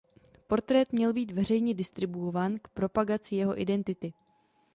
Portrét měl být veřejně distribuován k propagaci jeho identity.